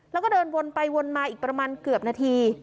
แล้วก็เดินวนไปวนมาอีกประมาณเกือบนาที